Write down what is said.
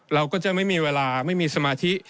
เราก็จะไม่มีเวลาไม่มีสมาธิ